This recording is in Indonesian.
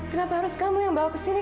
kenapa harus kamu yang bawa ke sini